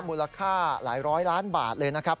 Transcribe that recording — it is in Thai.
มูลค่าหลายร้อยล้านบาทเลยนะครับ